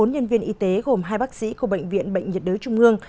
bốn nhân viên y tế gồm hai bác sĩ của bệnh viện bệnh nhiệt đới trung ương